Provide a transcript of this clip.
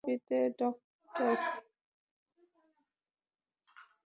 না, আমি ওই শিল্পীতে ডক্টর।